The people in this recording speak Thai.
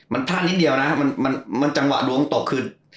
มันพร่านนิดเดียวนะจังหวะดวงตก